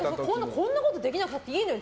こんなことできなくたっていいのよ